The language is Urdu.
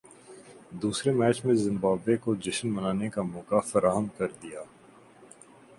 دوسرے میچ میں زمبابوے کو جشن منانے کا موقع فراہم کردیا